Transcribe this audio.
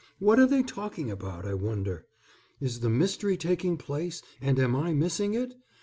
What are they talking about, I wonder? Is the mystery taking place, and am I missing it?